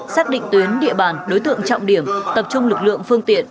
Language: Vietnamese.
xác định tuyến địa bàn đối tượng trọng điểm tập trung lực lượng phương tiện